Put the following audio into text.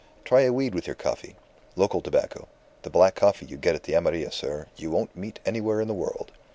"Try a weed with your coffee. Local tobacco. The black coffee you get at the Amarilla, sir, you don't meet anywhere in the world.